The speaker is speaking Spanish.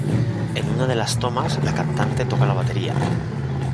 En una de las tomas la cantante toca la batería.